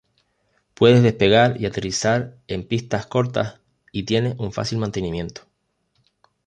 Puede despegar y aterrizar en pistas cortas y tiene "un fácil mantenimiento".